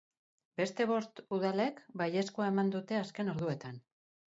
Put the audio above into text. Beste bost udalek baiezkoa eman dute azken orduetan.